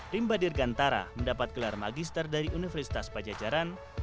rimba dirgantara mendapat gelar magister dari universitas pajajaran